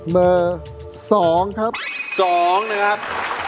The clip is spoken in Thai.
มือ๒ครับ๒นะครับ